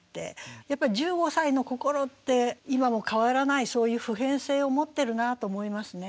やっぱり１５歳の心って今も変わらないそういう普遍性を持ってるなと思いますね。